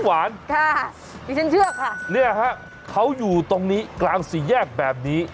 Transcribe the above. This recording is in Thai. หวานค่ะมีฉันเชื่อค่ะเนี่ยครับเขาอยู่ตรงนี้กลางสีแยกแบบนี้